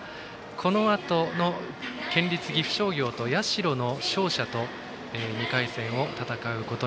このあとの県立岐阜商業と社の勝者と２回戦を戦います。